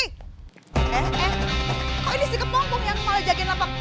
eh eh kok ini si kepompong yang malah jagain lampak